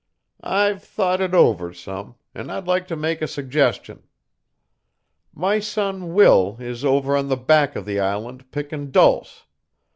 I've thought it over some, and I'd like to make a suggestion. My son Will is over on the back of the island pickin' dulce.